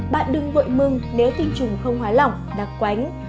bạn đừng vội mừng nếu tinh trùng không hóa lỏng đặc quánh